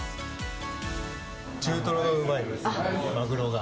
中トロがうまいです、マグロが。